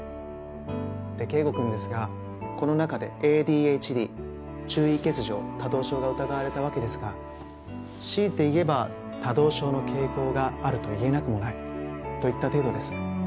でケイゴくんですがこの中でＡＤＨＤ注意欠如・多動症が疑われたわけですが強いて言えば多動症の傾向があると言えなくもないといった程度です。